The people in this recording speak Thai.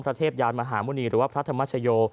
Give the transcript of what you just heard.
เทพยานมหาหมุณีหรือว่าพระธรรมชโย